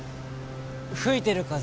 吹いてる風